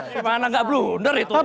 di mana gak blunder itu